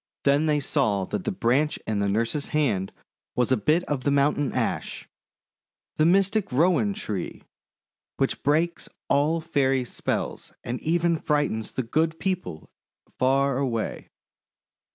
Then they saw that the branch in the nurse's hand was a bit of the Mountain Ash — the mystic Rowan tree — which breaks all Fairy spells, and even frightens the Good People far away.